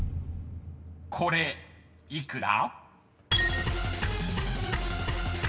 ［これ幾ら？］